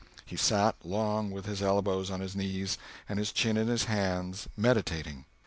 He sat long with his elbows on his knees and his chin in his hands, meditating.